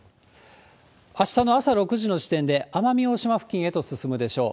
あしたの朝６時の時点で、奄美大島付近へと進むでしょう。